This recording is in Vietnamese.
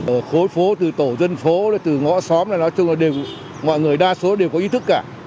ở khối phố từ tổ dân phố từ ngõ xóm là nói chung là mọi người đa số đều có ý thức cả